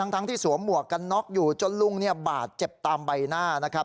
ทั้งที่สวมหมวกกันน็อกอยู่จนลุงบาดเจ็บตามใบหน้านะครับ